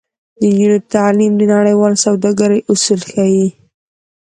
د نجونو تعلیم د نړیوال سوداګرۍ اصول ښيي.